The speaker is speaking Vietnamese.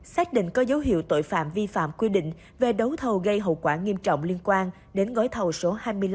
xác định có dấu hiệu tội phạm vi phạm quy định về đấu thầu gây hậu quả nghiêm trọng liên quan đến gói thầu số hai mươi năm